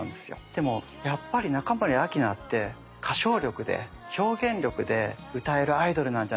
でもやっぱり中森明菜って歌唱力で表現力で歌えるアイドルなんじゃないか。